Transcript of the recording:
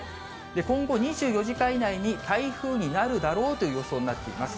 今後２４時間以内に台風になるだろうという予想になっています。